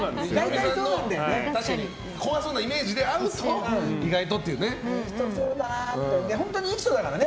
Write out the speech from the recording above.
怖そうなイメージで会うと意外とというね。